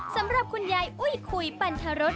สำหรับคุณยายอุ้ยคุยปันทรศ